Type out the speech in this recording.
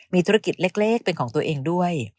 มีธุรกิจเล็กเป็นของตัวเองด้วย